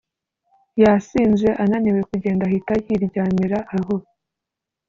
Yasinze ananiwe kugenda ahita yiryamira aho